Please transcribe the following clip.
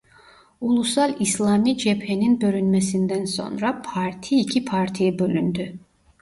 Ulusal İslami Cephe'nin bölünmesinden sonra parti iki partiye bölündü.